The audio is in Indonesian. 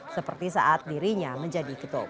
seperti saat dirinya menjadi ketua umum